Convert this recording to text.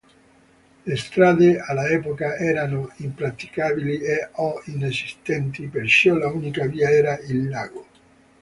Le strade all'epoca erano impraticabili o inesistenti, perciò l'unica via era il lago.